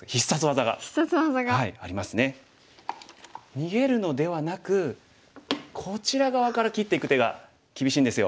逃げるのではなくこちら側から切っていく手が厳しいんですよ。